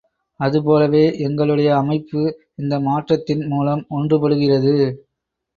அதுபோலவே, எங்களுடைய அமைப்பு இந்த மாற்றத்தின் மூலம் ஒன்று படுகிறது.